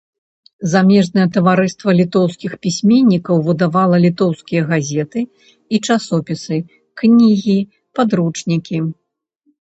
Замежнае таварыства літоўскіх пісьменнікаў выдавала літоўскія газеты і часопісы, кнігі, падручнікі.